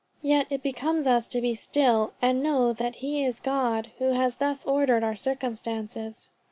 Yet it becomes us to be still, and know that he is God who has thus ordered our circumstances."